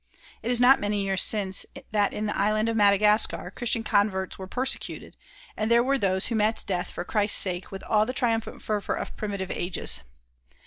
It is not many years since that in the Island of Madagascar Christian converts were persecuted, and there were those who met death for Christ's sake with all the triumphant fervor of primitive ages.